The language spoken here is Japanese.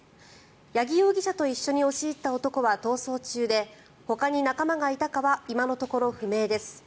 八木容疑者と一緒に押し入った男は逃走中でほかに仲間がいたかは今のところ不明です。